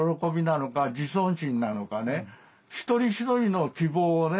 一人一人の希望をね